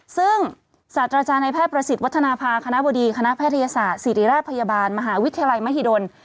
ซึ่งศาสตราจารย์ในแพทย์ประสิทธิ์วัฒนภาคณะบดีคณะแพทยศาสตร์ศิริราชพยาบาลมหาวิทยาลัยมหิดล